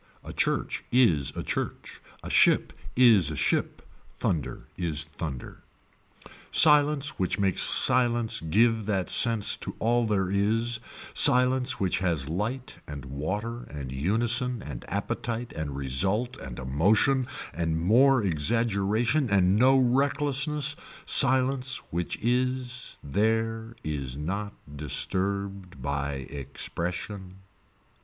A church is a church. A ship is a ship. Thunder is thunder. Silence which makes silence give that sense to all there is, silence which has light and water and unison and appetite and result and a motion and more exaggeration and no recklessness, silence which is there is not disturbed by expression.